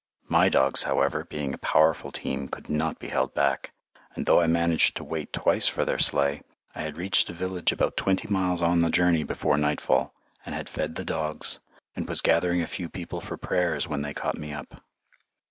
My dogs, however, being a powerful team, could not be held back, and though I managed to wait twice for their sleigh, I had reached a village about twenty miles on the journey before nightfall, and had fed the dogs, and was gathering a few people for prayers when they caught me up.